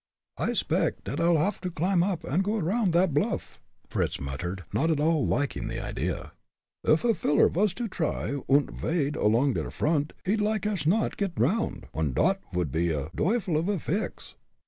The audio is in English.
"I s'pect dot I'll haff to climb up und go around that bluff," Fritz muttered, not at all liking the idea. "Uff a veller vas to try und wade along der front, he'd like ash not get drowned, und dot vould pe a duyfel off a fix.